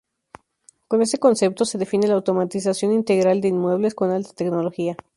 Con este concepto, se define la automatización integral de inmuebles con alta tecnología.